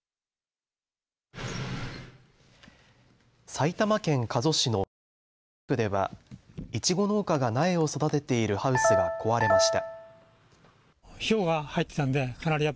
埼玉県加須市の北平野地区ではイチゴ農家が苗を育てているハウスが壊れました。